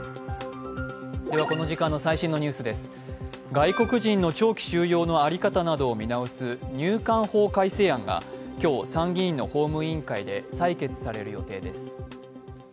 外国人の長期収容の在り方などを見直す入管法改正案が今日参議院の法務委員会で採決される予定です。